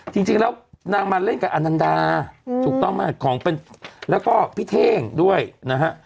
จริงแล้วนางมาเล่นกับอนันดาถูกต้องไหมของเป็นแล้วก็พี่เท่งด้วยนะฮะ